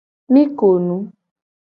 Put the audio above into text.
Mi ko nu.